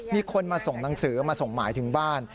มีคนมาส่งหนังสือมาส่งหมายถึงบ้าน